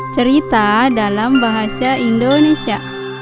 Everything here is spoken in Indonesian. cerita dalam bahasa indonesia